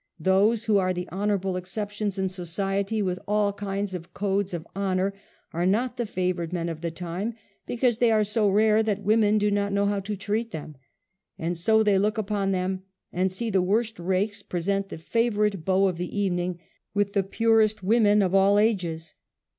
Those who are the honorable ex ceptions in society with all kinds of codes of honor, are not the favored men of the time, because they are ' so rare that women do not know how to treat them.i*' And so they look about them and see the worst rakes ^. present the favorite beau of the evening with the ' purest Avomen of all ages.